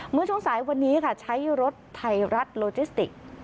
เมื่อช่วงสายวันนี้ค่ะใช้รถไทยรัฐโลจิสติก